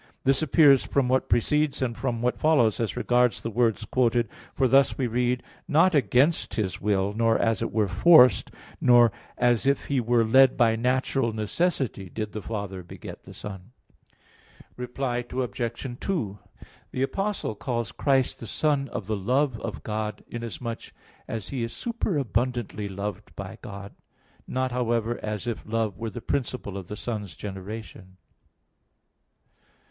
This appears from what precedes and from what follows as regards the words quoted, for thus we read: "Not against His will, nor as it were, forced, nor as if He were led by natural necessity did the Father beget the Son." Reply Obj. 2: The Apostle calls Christ the Son of the love of God, inasmuch as He is superabundantly loved by God; not, however, as if love were the principle of the Son's generation.